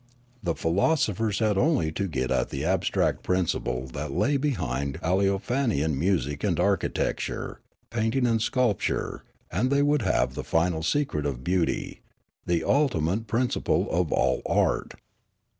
The philosophers had only to get at the abstract principle that lay behind Aleofanian music and architecture, painting and sculp ture, and they would have the final secret of beaut}', the ultimate principle of all art.